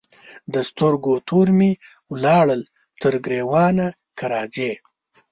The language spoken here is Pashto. د سترګو تور مي ولاړل تر ګرېوانه که راځې